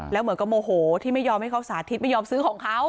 แล้วเหมือนกับโมโหที่ไม่ยอมให้เขาสาธิตไม่ยอมซื้อของเขา